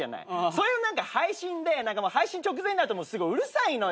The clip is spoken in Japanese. そういう配信で配信直前になるとうるさいのよ。